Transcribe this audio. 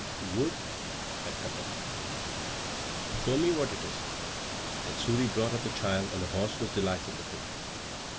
"Good," said Katar; "show me what it is." Then Suri brought up the child, and the horse was delighted with him.